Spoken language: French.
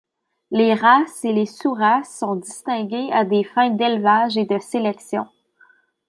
Les races et les sous-races sont distinguées à des fins d'élevage et de sélection.